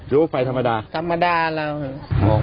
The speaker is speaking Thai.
มีไฟสูง